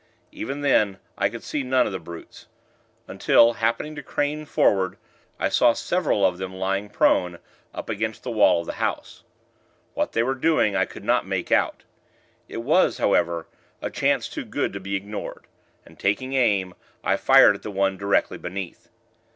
Even then, I could see none of the brutes; until, happening to crane forward, I saw several of them lying prone, up against the wall of the house. What they were doing, I could not make out. It was, however, a chance too good to be ignored; and, taking aim, I fired at the one directly beneath.